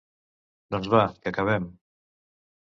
Doncs va, que acabem.